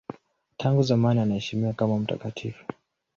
Tangu zamani anaheshimiwa kama mtakatifu.